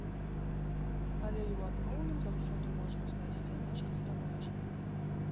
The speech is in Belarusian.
Але і ў адмоўным заўсёды можна знайсці нешта станоўчае.